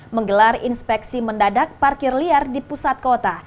menggelar inspeksi mendadak parkir liar di pusat kota